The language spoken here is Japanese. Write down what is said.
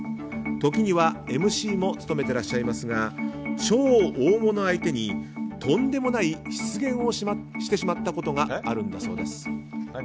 時にはＭＣも務めてらっしゃいますが超大物相手にとんでもない失言をしてしまったことがあるんだそうです。